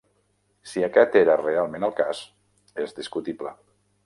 Si aquest era realment el cas és discutible.